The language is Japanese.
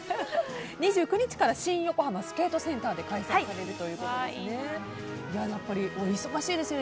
２９日から新横浜スケートセンターで開催されるということですね。